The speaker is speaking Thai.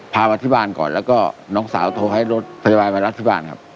มาที่บ้านก่อนแล้วก็น้องสาวโทรให้รถพยาบาลมารับที่บ้านครับ